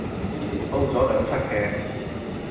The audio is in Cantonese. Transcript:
煲咗兩齣劇